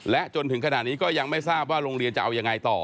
และจนถึงขณะนี้ก็ยังไม่ทราบว่าโรงเรียนจะเอายังไงต่อ